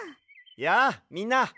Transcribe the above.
やあみんな！